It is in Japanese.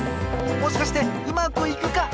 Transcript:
もしかしてうまくいくか！？